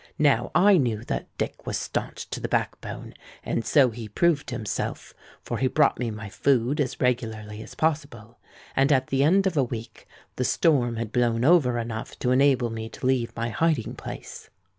Now I knew that Dick was stanch to the back bone; and so he proved himself—for he brought me my food as regularly as possible; and at the end of a week, the storm had blown over enough to enable me to leave my hiding place.